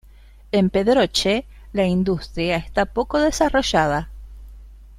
En Pedroche la industria está poco desarrollada.